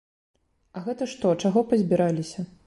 А гэта што, чаго пазбіраліся?